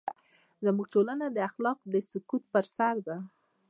زموږ ټولنه د اخلاقو د سقوط پر سر ده.